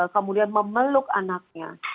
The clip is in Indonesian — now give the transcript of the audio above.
kemudian memeluk anaknya